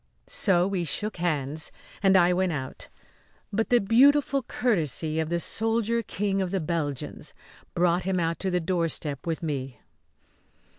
So we shook hands and I went out; but the beautiful courtesy of the soldier King of the Belgians brought him out to the doorstep with me.